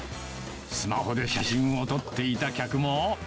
スマホで写真を撮っていた客も。